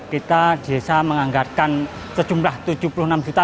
kita desa menganggarkan sejumlah rp tujuh puluh enam lima ratus empat puluh